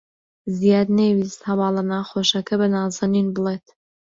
زیاد نەیویست هەواڵە ناخۆشەکە بە نازەنین بڵێت.